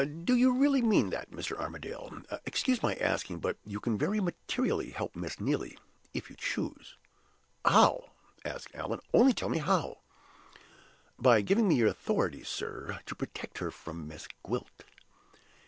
"Do you really mean that, Mr. Armadale? Excuse my asking; but you can very materially help Miss Neelie, if you choose!" "How?" asked Allan. "Only tell me how!" "By giving me your authority, sir, to protect her from Miss Gwilt."